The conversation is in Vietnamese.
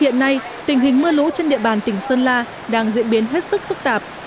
hiện nay tình hình mưa lũ trên địa bàn tỉnh sơn la đang diễn biến hết sức phức tạp